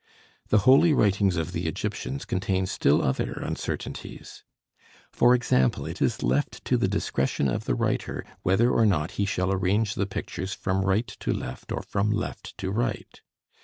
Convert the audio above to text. The holy writings of the Egyptians contain still other uncertainties. For example, it is left to the discretion of the writer whether or not he shall arrange the pictures from right to left or from left to right.